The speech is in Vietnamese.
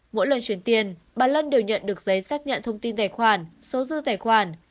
mỗi lần chuyển tiền bà lân đều nhận được giấy xác nhận thông tin tài khoản số dư tài khoản